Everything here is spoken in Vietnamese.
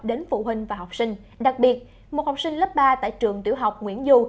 đến phụ huynh và học sinh đặc biệt một học sinh lớp ba tại trường tiểu học nguyễn du